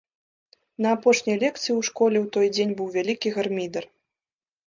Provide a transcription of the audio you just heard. На апошняй лекцыі ў школе ў той дзень быў вялікі гармідар.